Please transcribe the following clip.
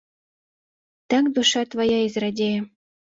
Так душа твая і зрадзее.